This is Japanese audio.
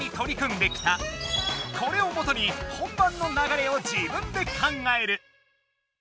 これをもとに本番の流れを自分で考える！